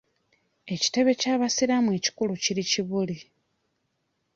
Ekitebbe ky'abasiraamu ekikulu kiri Kibuli.